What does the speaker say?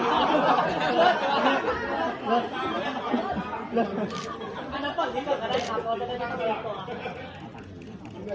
อินเหรอใช้คำว่าเปิดอู๋ได้เลยใช่ไหม